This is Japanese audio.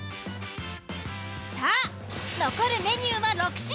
さあ残るメニューは６品。